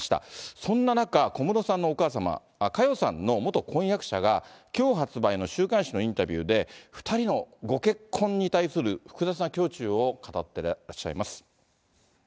そんな中、小室さんのお母様、佳代さんの元婚約者がきょう発売の週刊誌のインタビューで、２人のご結婚に対する複雑な胸中を語っていらっしゃいます。